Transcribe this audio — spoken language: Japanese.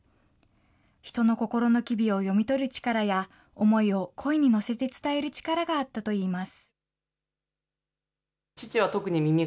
人の心の機微を読み取る力や、思いを声に乗せて伝える力があったといいます。